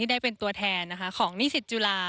ได้เป็นตัวแทนของนิสิตจุฬา